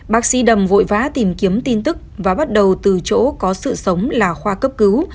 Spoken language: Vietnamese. bác sĩ đầm vội vã tìm kiếm tin tức và bắt đầu từ chỗ có sự sống là khoa cấp cứu